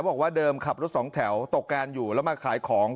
บอกว่าเดิมขับรถสองแถวตกงานอยู่แล้วมาขายของ